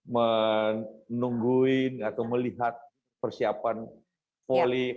menungguin atau melihat persiapan poli